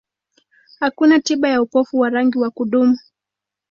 Hakuna tiba ya upofu wa rangi wa kudumu.